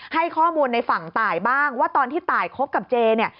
ให้ข้อมูลในฝั่งตายบ้างว่าตอนที่ตายคบกับเจเนี่ย